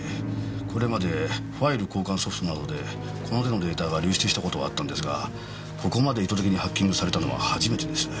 これまでファイル交換ソフトなどでこの手のデータが流出した事はあったんですがここまで意図的にハッキングされたのは初めてです。